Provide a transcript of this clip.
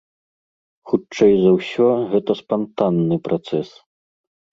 Хутчэй за ўсё, гэта спантанны працэс.